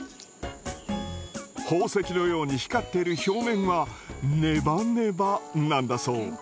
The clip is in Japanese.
宝石のように光っている表面はネバネバなんだそう。